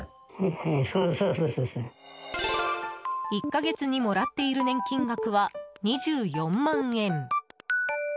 １か月にもらっている年金額は２４万円。